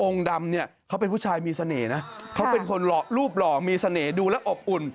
ดำเนี่ยเขาเป็นผู้ชายมีเสน่ห์นะเขาเป็นคนรูปหล่อมีเสน่ห์ดูและอบอุ่น